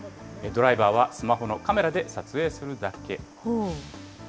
ドライバーはスマホのカメラで撮影するだけ。